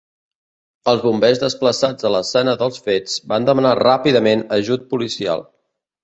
Els bombers desplaçats a l'escena dels fets van demanar ràpidament ajut policial.